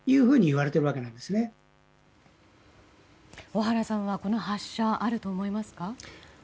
小原さんは、この発射あると思いますか？